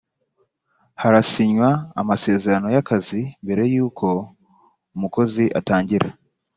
harasinywa amasezerano y ‘akazi mbere y ‘uko umukozi atangira.